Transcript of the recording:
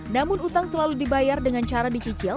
namun utang selalu dibayar dengan cara dicicil